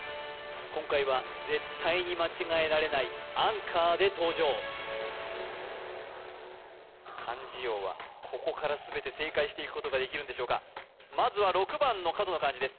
今回は絶対に間違えられないアンカーで登場漢字王はここから全て正解していくことができるんでしょうかまずは６番の角の漢字です